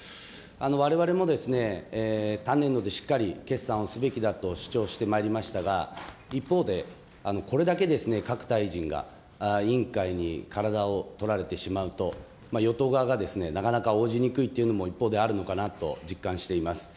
われわれも多年度でしっかり決算をすべきだと主張してまいりましたが、一方でこれだけ各大臣が委員会に体を取られてしまうと、与党側がなかなか応じにくいというのも一方であるのかなと実感しています。